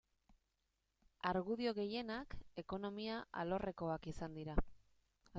Argudio gehienak ekonomia alorrekoak izan dira.